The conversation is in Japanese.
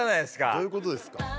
どういうことですか？